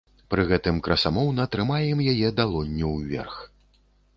Пры гэтым красамоўна трымаем яе далонню ўверх.